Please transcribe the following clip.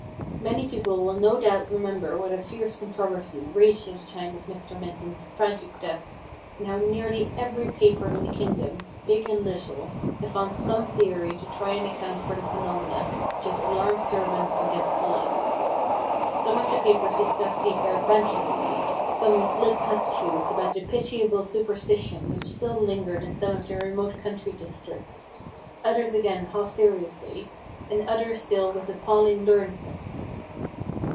Many people will no doubt remember what a fierce contro versy raged at the time of Mr. Minton's tragic death, and how nearly every paper in the kingdom, big and little, advanced some theory to try and account for the phenomena which had alarmed servants and guests alike. Some of the papers dis cussed the affair banteringly, some with glib platitudes about the ' pitiable superstition which still lingered in some of the remote country districts '; others, again, half seriously, and others still with appalling learnedness.